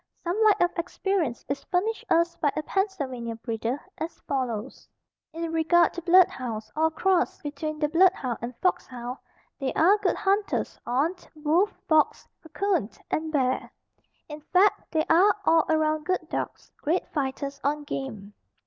Some light of experience is furnished us by a Pennsylvania breeder, as follows: In regard to blood hounds or a cross between the blood hound and fox hound, they are good hunters on wolf, fox, 'coon and bear. In fact, they are all around good dogs, great fighters on game.